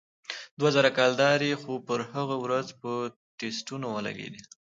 دوه زره کلدارې خو پر هغه ورځ په ټسټونو ولگېدې.